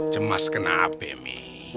cemas kenapa mi